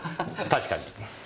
確かに。